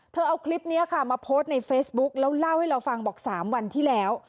เอาคลิปนี้ค่ะมาโพสต์ในเฟซบุ๊กแล้วเล่าให้เราฟังบอก๓วันที่แล้ว